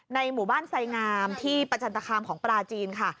หมู่บ้านไสงามที่ประจันตคามของปลาจีนค่ะ